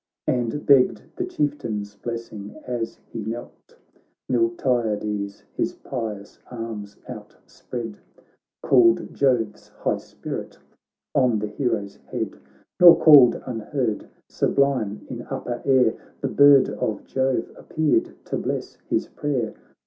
And begged the Chieftain's blessing as he knelt : Miltiades his pious arms outspread, Called Jove's high spirit on the hero's head ; Nor called unheard — sublime in upper air The bird of Jove appeared to bless his prayer.